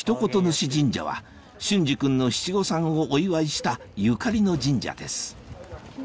主神社は隼司君の七五三をお祝いしたゆかりの神社です